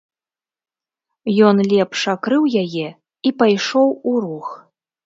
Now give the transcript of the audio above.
Ён лепш акрыў яе і пайшоў у рух.